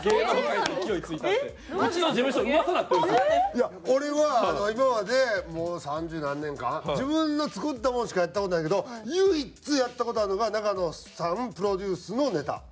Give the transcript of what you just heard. いや俺は今までもう三十何年間自分の作ったものしかやった事ないけど唯一やった事あるのが永野さんプロデュースのネタ。ええー！